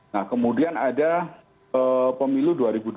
nah kemudian ada pemilu dua ribu dua puluh